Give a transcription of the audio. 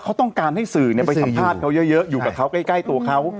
เขาต้องการให้สื่อไปสัมภาษณ์เขาเยอะอยู่กับเขาใกล้ตัวเขา